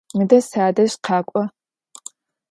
Mıde sadej khak'o!